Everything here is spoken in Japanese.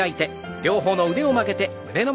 両方の腕を曲げて胸の前。